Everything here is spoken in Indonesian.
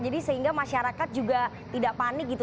jadi sehingga masyarakat juga tidak panik gitu